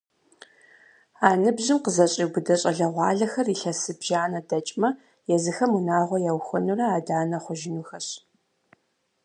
А ныбжьым къызэщӏиубыдэ щӏалэгъуалэхэр илъэс зыбжанэ дэкӏмэ езыхэм унагъуэ яухуэнурэ адэ-анэ хъужынухэщ.